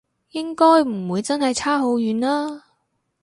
應該唔會真係差好遠啊？